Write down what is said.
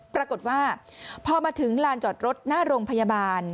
ปรากฏว่าพอมาถึงลานจอดรถหน้าโรงพยาบาล